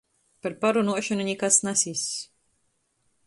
Par parunuošonu nikas nasiss.